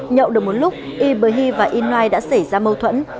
nhậu được một lúc iberhi và inoan đã xảy ra mâu thuẫn